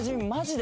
で